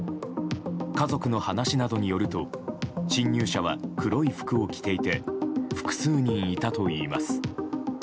家族の話などによると、侵入者は黒い服を着ていて複数人いたといいます。